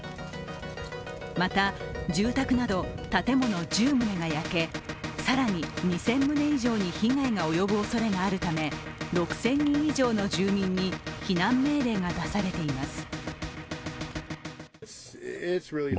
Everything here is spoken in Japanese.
また住宅など建物１０棟が焼け更に２０００棟以上に被害が及ぶおそれがあるため、６０００人以上の住人に避難命令が出されています。